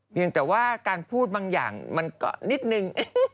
เพียงแต่ว่าการพูดบางอย่างมันก็นิดนึง